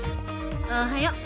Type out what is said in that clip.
おはよう。